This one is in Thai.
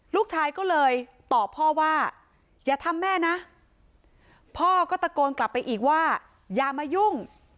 ลูกชายก็เลยตอบพ่อว่าอย่าทำแม่นะพ่อก็ตะโกนกลับไปอีกว่าอย่ามายุ่ง